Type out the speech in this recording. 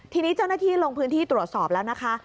ทีนี้เจ้าหน้าที่ลงพื้นที่ตรวจสอบแล้วนะคะ